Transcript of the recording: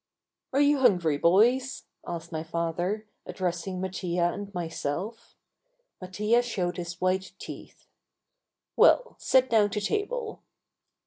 "Are you hungry, boys?" asked my father, addressing Mattia and myself. Mattia showed his white teeth. "Well, sit down to table."